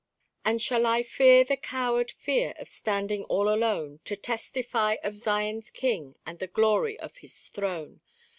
"And shall I fear the coward fear of standing all alone To testify of Zion's King and the glory of his throne?